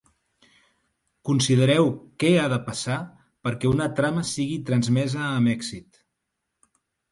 Considereu què ha de passar perquè una trama sigui transmesa amb èxit.